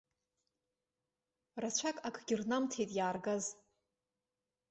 Рацәак акгьы рнамҭеит иааргаз.